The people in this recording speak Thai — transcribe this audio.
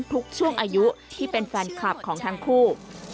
ทุกช่วงอายุที่เป็นแฟนคลับของทั้งคู่